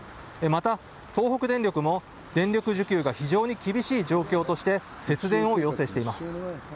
また、東北電力も電力需給が非常に厳しい状況として、節電を要請しています。